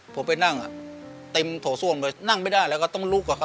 ผมไปนั่งเต็มโถส้วมเลยนั่งไม่ได้แล้วก็ต้องลุกอะครับ